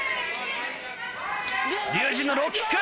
龍心のローキック。